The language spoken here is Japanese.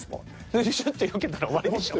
それシュッとよけたら終わりでしょ。